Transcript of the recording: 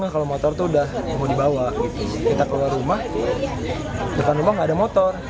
kalau motor tuh udah mau dibawa kita keluar rumah depan rumah nggak ada motor